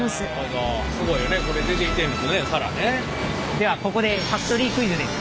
ではここでファクトリークイズです。